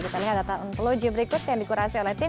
kita lihat kata kata yang dikurasin oleh tim